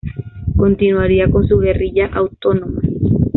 Continuaría con su guerrilla autónoma.